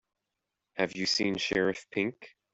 Have you seen Sheriff Pink?